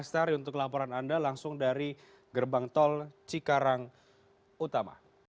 lestari untuk laporan anda langsung dari gerbang tol cikarang utama